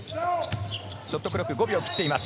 ショットクロック２５秒を切っています。